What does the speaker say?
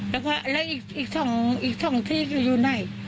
แล้วอีก๒ที่ก็อยู่ไหน